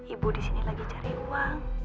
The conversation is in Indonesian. ibu di sini lagi cari uang